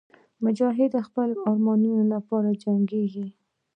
مجاهد د خپلو ارمانونو لپاره جنګېږي.